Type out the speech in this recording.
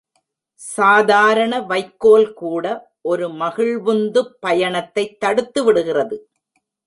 சாதாரண வைக்கோல் கூட ஒரு மகிழ்வுந்துப் பயணத்தைத் தடுத்துவிடுகிறது.